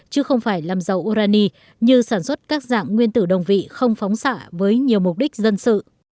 chứ không phải làm dầu urani như sản xuất các dạng nguyên tử đồng vị không phóng xạ với nhiều mục đích dân sự